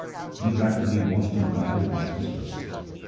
He rapidly washed and dried his master's clothes.